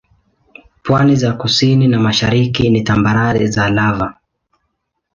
Pwani za kusini na mashariki ni tambarare za lava.